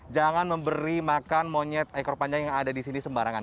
jangan memberi makan monyet ekor panjang yang ada di sini sembarangan